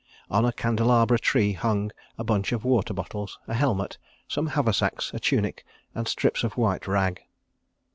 On a candelabra tree hung a bunch of water bottles, a helmet, some haversacks, a tunic, and strips of white rag.